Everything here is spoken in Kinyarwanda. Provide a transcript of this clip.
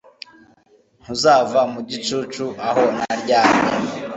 Ntuzava mu gicucu aho naryamye